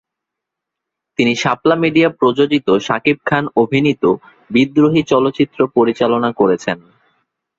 তিনি শাপলা মিডিয়া প্রযোজিত শাকিব খান অভিনীত "বিদ্রোহী" চলচ্চিত্র পরিচালনা করেছেন।